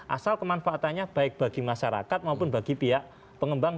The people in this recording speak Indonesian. asal kemanfaatannya baik bagi masyarakat maupun bagi pihak pengembang